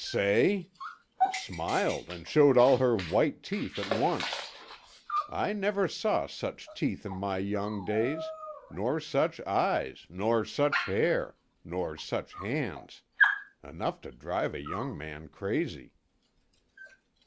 "Say? Smiled, and showed all her white teeth at once. I never saw such teeth in my young days, nor such eyes, nor such hair, nor such hands enough to drive a young man crazy."